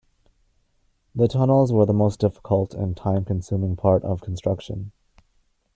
The tunnels were the most difficult and time-consuming part of construction.